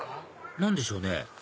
何でしょうね？